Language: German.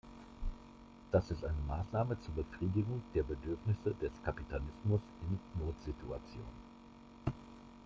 Das ist eine Maßnahme zur Befriedigung der Bedürfnisse des Kapitalismus in Notsituation.